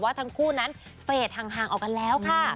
ทั้งคู่นั้นเฟสห่างออกกันแล้วค่ะ